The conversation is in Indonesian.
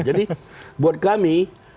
jadi buat kami